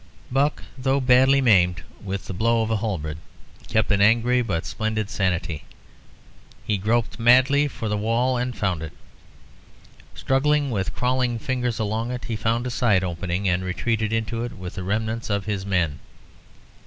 Buck, though badly maimed with the blow of a halberd, kept an angry but splendid sanity. He groped madly for the wall and found it. Struggling with crawling fingers along it, he found a side opening and retreated into it with the remnants of his men.